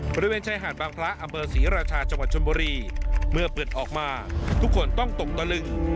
บริเวณชายหาดบางพระอำเภอศรีราชาจังหวัดชนบุรีเมื่อเปิดออกมาทุกคนต้องตกตะลึง